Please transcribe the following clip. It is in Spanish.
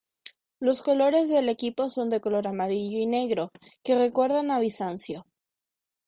Los colores del equipo son de color amarillo y negro, que recuerda a Bizancio.